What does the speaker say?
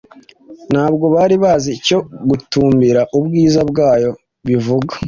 Ntabwo bari bazi icyo gutumbira ubwiza bwayo bivuga